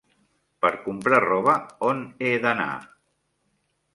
Per comprar roba, on he d'anar?